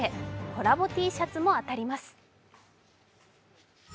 コラボＴシャツも当たります。